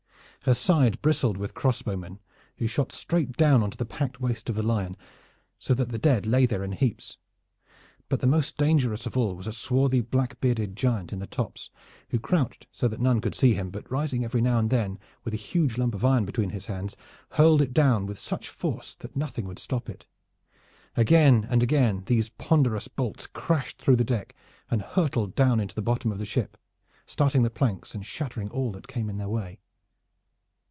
Her side bristled with crossbowmen, who shot straight down on to the packed waist of the Lion, so that the dead lay there in heaps. But the most dangerous of all was a swarthy black bearded giant in the tops, who crouched so that none could see him, but rising every now and then with a huge lump of iron between his hands, hurled it down with such force that nothing would stop it. Again and again these ponderous bolts crashed through the deck and hurtled down into the bottom of the ship, starting the planks and shattering all that came in their way.